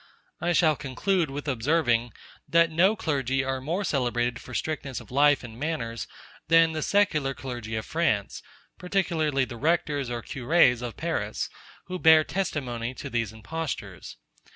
I shall conclude with observing, that no clergy are more celebrated for strictness of life and manners than the secular clergy of France, particularly the rectors or curés of Paris, who bear testimony to these impostures.